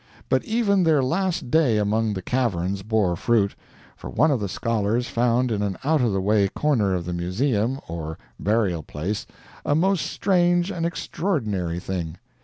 But even their last day among the Caverns bore fruit; for one of the scholars found in an out of the way corner of the Museum or "Burial Place" a most strange and extraordinary thing.